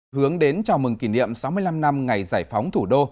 hướng đến chào mừng kỷ niệm sáu mươi năm năm ngày giải phóng thủ đô